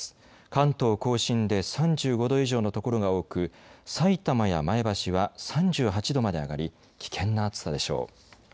関東甲信で３５度以上のところが多くさいたまや前橋は３８度まで上がり危険な暑さでしょう。